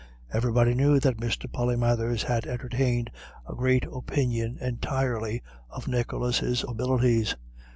Everybody knew that Mr. Polymathers had entertained "a great opinion entirely" of Nicholas' abilities.